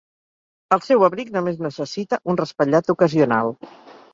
El seu abric només necessita un raspallat ocasional.